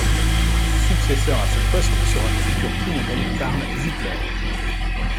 Son successeur à ce poste sera le futur prix Nobel Karl Ziegler.